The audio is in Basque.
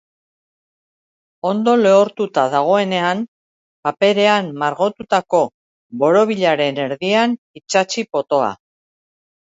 Ondo lehortuta dagoenean, paperean margotutako borobilaren erdian itsatsi potoa.